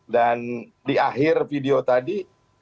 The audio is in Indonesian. dan di akhir video tadi